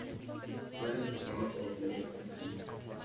Pueden sufrir de epilepsia canina.